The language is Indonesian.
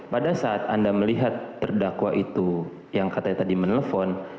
pada saat anda melihat terdakwa itu yang katanya tadi menelpon